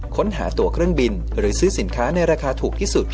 ค้นหาตัวเครื่องบินหรือซื้อสินค้าในราคาถูกที่สุด